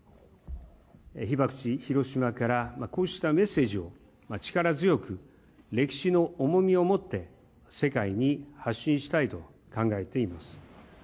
被爆地、広島からこうしたメッセージを力強く、歴史の重みをもって、世界に発信したいと考えています。